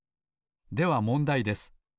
ではもんだいです。